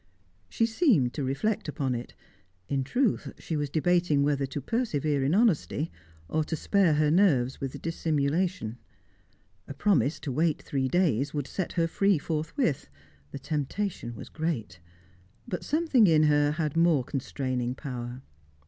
She seemed to reflect upon it. In truth she was debating whether to persevere in honesty, or to spare her nerves with dissimulation. A promise to wait three days would set her free forthwith; the temptation was great. But something in her had more constraining power.